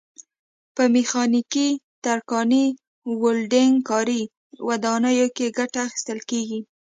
په میخانیکي، ترکاڼۍ، ولډنګ کاري، ودانیو کې ګټه اخیستل کېږي.